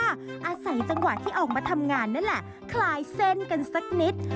อาศัยจังหวะที่ออกมาทำงานนั่นแหละคลายเส้นกันสักนิด